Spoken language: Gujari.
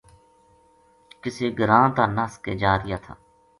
کِسے گراں تا نس کے جا رہیا تھا